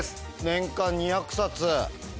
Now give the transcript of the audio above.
年間２００冊。